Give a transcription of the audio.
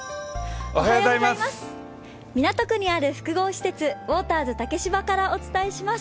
港区にある複合施設、ウォーターズ竹芝からお伝えします。